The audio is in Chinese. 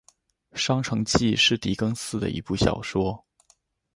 《双城记》是狄更斯的一部小说。